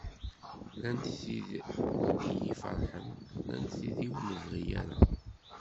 Llant tid iyi-ferḥen llant tid ur nebɣi ara.